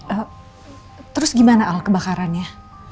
eh terus gimana al kebakarannya